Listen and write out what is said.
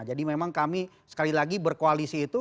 jadi memang kami sekali lagi berkoalisi itu